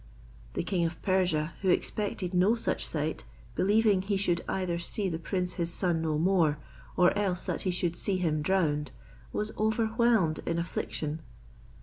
The king of Persia, who expected no such sight, believing he should either see the prince his son no more, or else that he should see him drowned, was overwhelmed in affliction.